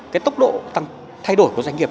cái tốc độ thay đổi của doanh nghiệp